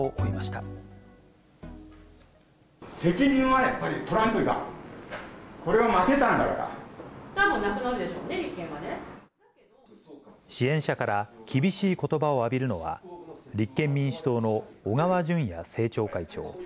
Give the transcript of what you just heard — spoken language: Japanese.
たぶんなくなるでしょうね、支援者から厳しいことばを浴びるのは、立憲民主党の小川淳也政調会長。